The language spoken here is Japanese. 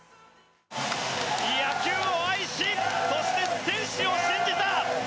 野球を愛しそして選手を信じた！